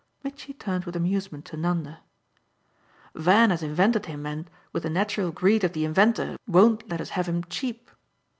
Mitchy turned with amusement to Nanda. "Van has invented him and, with the natural greed of the inventor, won't let us have him cheap.